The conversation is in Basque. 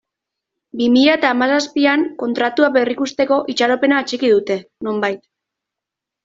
Bi mila eta hamazazpian Kontratua berrikusteko itxaropena atxiki dute, nonbait.